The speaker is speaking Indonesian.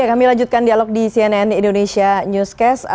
kami lanjutkan dialog di cnn indonesia newscast